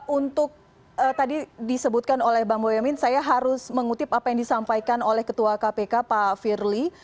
untuk tadi disebutkan oleh bang boyamin saya harus mengutip apa yang disampaikan oleh ketua kpk pak firly